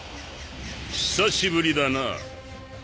久しぶりだな。